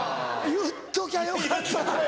言っときゃよかった。